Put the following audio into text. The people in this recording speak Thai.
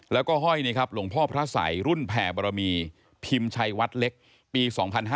แล้วก็ห้อยนะครับหลวงพ่อพระสัยรุ่นแผ่บรมีพิมพ์ชัยวัดเล็กปี๒๕๕๙